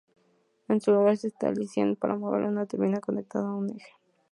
En su lugar, se utilizan para mover una turbina conectada a un eje.